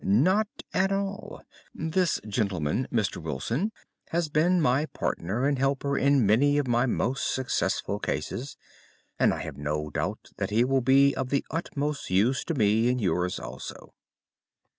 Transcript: "Not at all. This gentleman, Mr. Wilson, has been my partner and helper in many of my most successful cases, and I have no doubt that he will be of the utmost use to me in yours also."